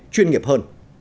chuyên nghiệp hơn